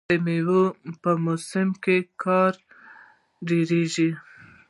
د میوو په موسم کې کار ډیریږي.